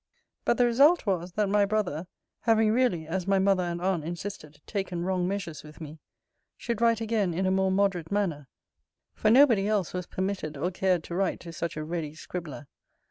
But the result was, that my brother (having really, as my mother and aunt insisted, taken wrong measures with me) should write again in a more moderate manner: for nobody else was permitted or cared to write to such a ready scribbler.